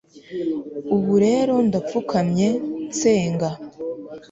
ubu rero ndapfukamye nsenga